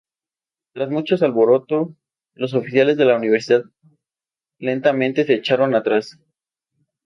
Tras muchos alboroto, los oficiales de la universidad lentamente se echaron atrás.